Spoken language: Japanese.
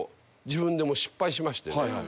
自分でも失敗しましてね。